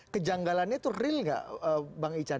kejanggalannya itu real gak bang ican